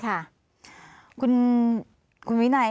แต่ไม่ใช่เดี๋ยว